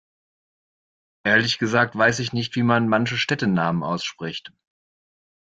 Ehrlich gesagt weiß ich nicht, wie man manche Städtenamen ausspricht.